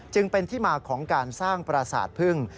จึงเป็นที่มาของการสร้างปราสาทพึ่ง